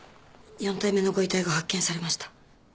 ４体目のご遺体が発見されました。